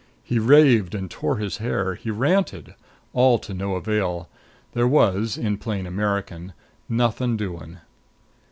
He raved and tore his hair. He ranted. All to no avail. There was, in plain American, "nothing doing!"